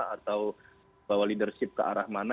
atau bawa leadership ke arah mana